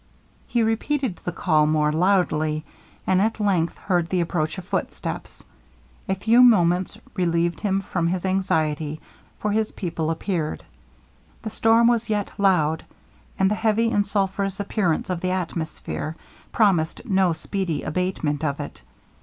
He repeated the call more loudly, and at length heard the approach of footsteps. A few moments relieved him from his anxiety, for his people appeared. The storm was yet loud, and the heavy and sulphureous appearance of the atmosphere promised no speedy abatement of it.